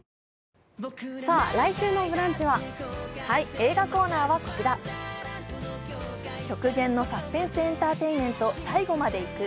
映画コーナーはこちら、極限のエンターテインメント「最後まで行く」